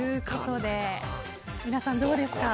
皆さん、どうですか？